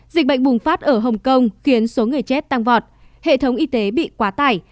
dịch bệnh bùng phát ở hồng kông khiến số người chết tăng vọt hệ thống y tế bị quá tải